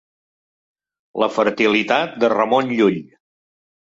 La fertilitat de Ramon Llull.